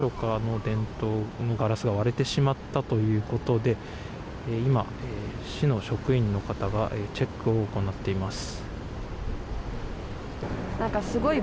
駅前の何か所の電灯のガラスが割れてしまったということで今、市の職員の方がチェックを行っています。